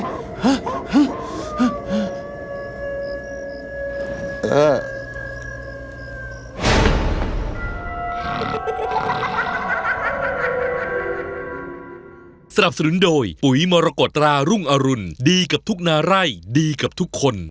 สนับสนุนโดยปุ๋ยมรกฎรารุ่งอรุณดีกับทุกนาไร่ดีกับทุกคน